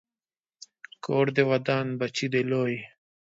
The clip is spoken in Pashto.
کور دې ودان، بچی دې لوی